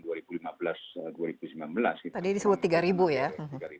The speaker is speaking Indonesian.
tadi disuruh tiga ya